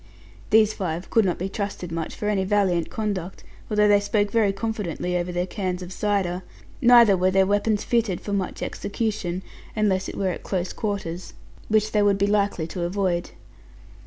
These five could not be trusted much for any valiant conduct, although they spoke very confidently over their cans of cider. Neither were their weapons fitted for much execution, unless it were at close quarters, which they would be likely to avoid.